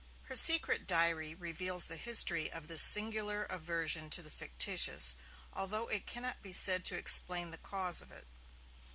Her secret diary reveals the history of this singular aversion to the fictitious, although it cannot be said to explain the cause of it.